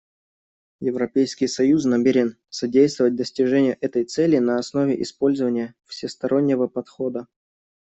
Европейский союз намерен содействовать достижению этой цели на основе использования всестороннего подхода.